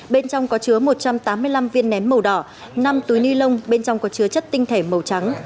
bên trong có chứa một trăm tám mươi năm viên nén màu đỏ năm túi ni lông bên trong có chứa chất tinh thể màu trắng